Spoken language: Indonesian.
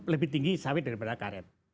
lebih tinggi sawit daripada karet